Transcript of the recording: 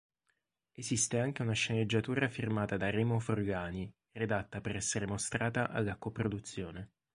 Esiste anche una sceneggiatura firmata da Remo Forlani, redatta per essere mostrata alla co-produzione.